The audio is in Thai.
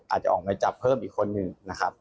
อาจจะออกหมายจับเพิ่มอีกคนนึงนะครับ